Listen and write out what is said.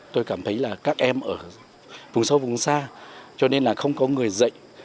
tôi cảm thấy là các em ở vùng sâu vùng xa cho nên là không có người dạy